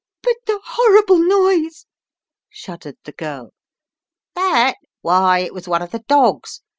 But the horrible noise!" shuddered the girl. That? Why, it was one of the dogs.